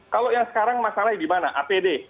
kalau yang sekarang masalahnya di mana apd